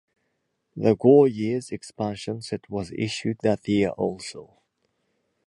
"The Gore Years" expansion set was issued that year also.